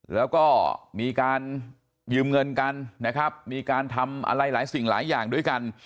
แล้วก็มีการยืมเงินกันนะครับมีการทำอะไรหลายสิ่งหลายอย่างด้วยกัน